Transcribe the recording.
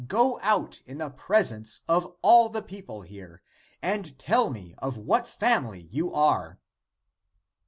Go out in the presence of all the people here and tell me of what family you are!"